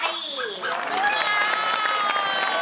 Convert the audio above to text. うわ！